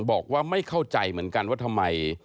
บอกว่าไม่เข้าใจเหมือนกันว่าทำไม